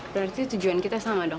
berarti tujuan kita sama dong